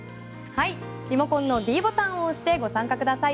リモコンのｄボタンを押してご参加ください。